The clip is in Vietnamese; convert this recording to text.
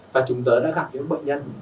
và chúng ta đã gặp những bệnh nhân